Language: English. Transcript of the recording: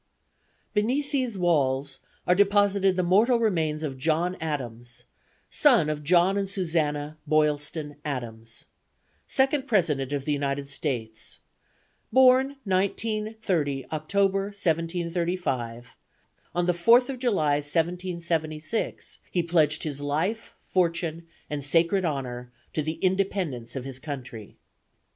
BENEATH THESE WALLS ARE DEPOSITED THE MORTAL REMAINS OF JOHN ADAMS. SON OF JOHN AND SUZANNA (BOYLSTON) ADAMS, SECOND PRESIDENT OF THE UNITED STATES; BORN 19/30 OCTOBER, 1735. ON THE FOURTH OF JULY, 1776, HE PLEDGED HIS LIFE, FORTUNE, AND SACRED HONOR TO THE INDEPENDENCE OF HIS COUNTRY.